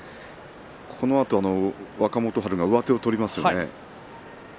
このあと若元春が上手を取りますよね。